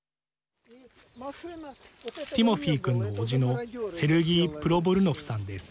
ティモフィ君のおじのセルギー・プロボルノフさんです。